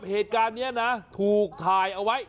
เหตุการณ์นี้นะถูกถ่ายเอาไว้